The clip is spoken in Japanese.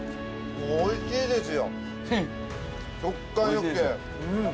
「おいしいですよ」。